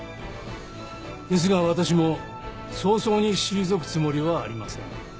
ですが私も早々に退くつもりはありません。